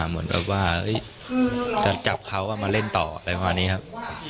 เหมือนแบบว่าจะจับเขามาเล่นต่ออะไรประมาณนี้ครับ